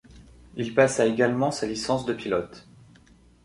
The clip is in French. Il passa également sa licence de pilote.